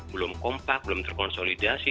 belum kompak belum terkonsolidasi